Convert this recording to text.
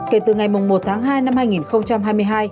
kể từ ngày một tháng hai năm hai nghìn hai mươi hai